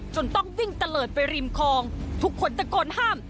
ต้องวิ่งตะเลิศไปริมคลองทุกคนตะโกนห้าม